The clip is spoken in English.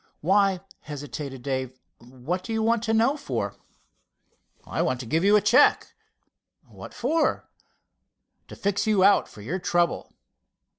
"Why," hesitated Dave, "what do you want to know for?" "I want to give you a check." "What for?" "To fix you out for your trouble."